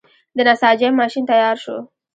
د نساجۍ ماشین تیار شو.